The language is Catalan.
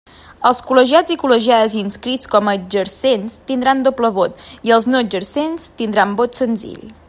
Els col·legiats i col·legiades inscrits com a exercents tindran doble vot, i els no exercents tindran vot senzill.